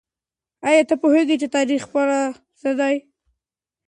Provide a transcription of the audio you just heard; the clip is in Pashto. آیا ته پوهېږې چې تاریخ څه دی؟